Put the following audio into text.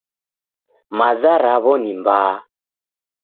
Maza raw'o ni mbaha